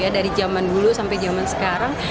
dari zaman dulu sampai zaman sekarang